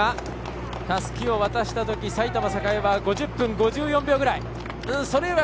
たすきを渡したとき西京高校は５０分５４秒ぐらい。